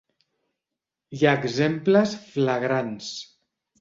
Hi ha exemples flagrants.